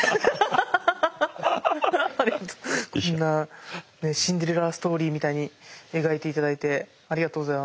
こんなシンデレラストーリーみたいに描いて頂いてありがとうございます。